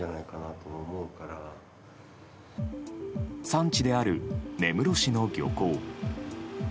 産地である根室市の漁港。